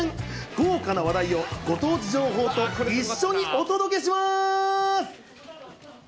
豪華な話題を、ご当地情報と一緒にお届けします。